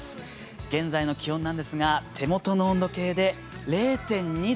現在の気温なんですが手元の気温で０．２度。